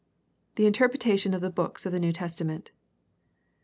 The interpretation of the books of the New Testa ment.